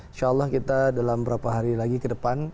insya allah kita dalam beberapa hari lagi ke depan